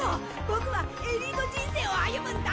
僕はエリート人生を歩むんだ。